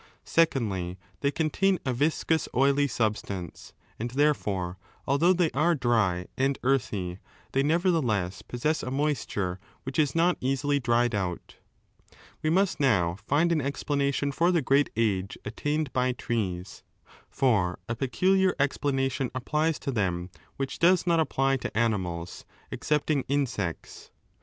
Secondly, they contain a viscous oily substance, and therefore, although they are dry and earthy, they nevertheless possess a moisture which is not easily dried out. We must now find an explanation for 2 the great age attained by trees. For a peculiar explan ation applies to them which does not apply to animals, excepting insects.